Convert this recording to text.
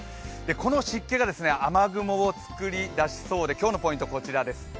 この湿気が雨雲を作り出しそうで、今日のポイントこちらです。